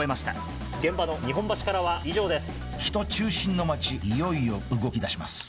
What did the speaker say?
現場の日本橋からは以上です。